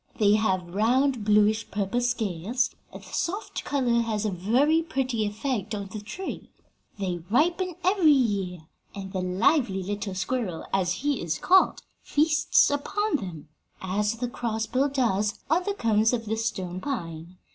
They have round, bluish purple scales, and the soft color has a very pretty effect on the tree. They ripen every year, and the lively little squirrel, as he is called, feasts upon them, as the crossbill does on the cones of the stone pine.